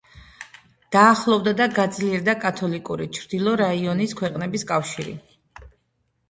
დაახლოვდა და გაძლიერდა კათოლიკური, ჩრდილო რაინის ქვეყნების კავშირი.